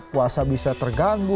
puasa bisa terganggu